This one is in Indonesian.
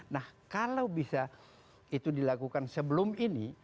nah kalau bisa itu dilakukan sebelum ini